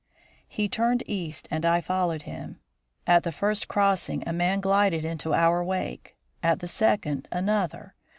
He turned east and I followed him. At the first crossing, a man glided into our wake; at the second, another.